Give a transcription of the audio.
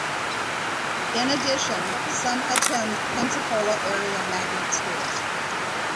In addition, some attend Pensacola-area magnet schools.